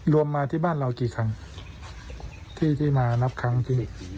มาที่บ้านเรากี่ครั้งที่มานับครั้งที่นี่